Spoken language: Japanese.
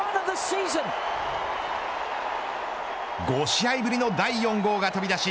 ５試合ぶりの第４号が飛び出し